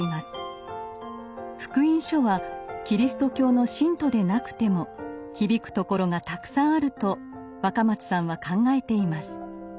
「福音書」はキリスト教の信徒でなくても響くところがたくさんあると若松さんは考えています。